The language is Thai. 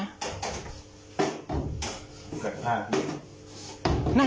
เกิดผ้า